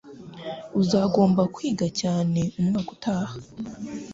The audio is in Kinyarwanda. Uzagomba kwiga cyane umwaka utaha.